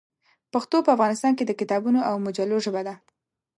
پښتو په افغانستان کې د کتابونو او مجلو ژبه ده.